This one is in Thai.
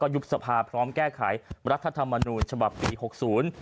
ยุบสภาพร้อมแก้ไขรัฐธรรมนูญฉบับปีหกศูนย์